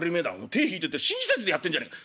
手ぇ引いてって親切でやってんじゃねえか。